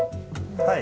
はい。